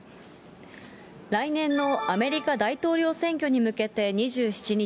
来年のアメリカ大統領選挙に向けて、２７日、